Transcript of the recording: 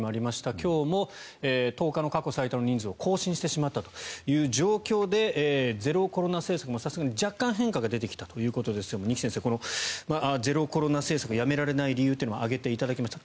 今日も１０日の過去最多の人数を更新してしまったという状況でゼロコロナ政策もさすがに若干変化が出てきましたが二木先生、このゼロコロナ政策をやめられない理由を挙げていただきました。